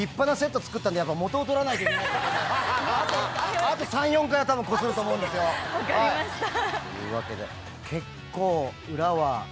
あと３４回はたぶんこすると思うんですよ。というわけで結構。